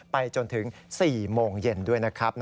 ไปจนถึง๔โมงเย็นด้วยนะครับ